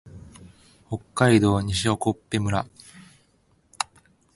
北海道西興部村